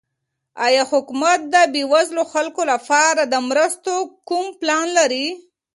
آیا حکومت د بېوزلو خلکو لپاره د مرستو کوم پلان لري؟